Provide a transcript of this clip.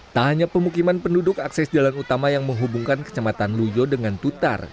tak hanya pemukiman penduduk akses jalan utama yang menghubungkan kecamatan luyo dengan tutar